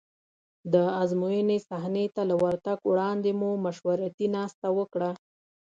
د ازموینې صحنې ته له ورتګ وړاندې مو مشورتي ناسته وکړه.